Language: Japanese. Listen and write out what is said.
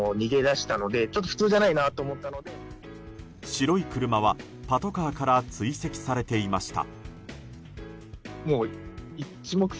白い車はパトカーから追跡されていました。